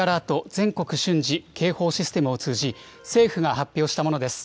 ・全国瞬時警報システムを通じ、政府が発表したものです。